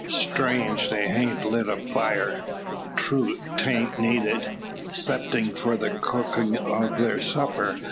Strange they hain't lit a fire! True 'tain't needed 'ceptin' for the cookin' o' thar supper.